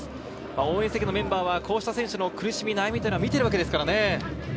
応援席のメンバーはこうした選手の苦しみ、悩みを見ているわけですからね。